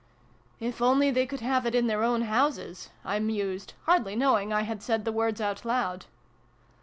" If only they could have it in their own houses " I mused, hardly knowing I had said the words out loud.